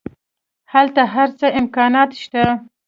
هلته هر څه امکانات شته.